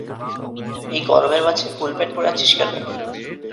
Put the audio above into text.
এই গরমের মাঝে ফুল প্যান্ট পরে আছিস কেন?